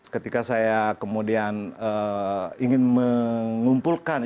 ketika saya kemudian ingin mengumpulkan